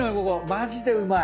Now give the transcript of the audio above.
マジでうまい。